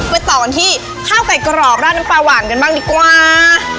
ไปต่อกันที่ข้าวไก่กรอบราดน้ำปลาหวานกันบ้างดีกว่า